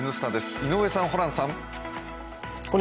井上さん、ホランさん。